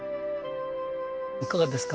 いかがですか？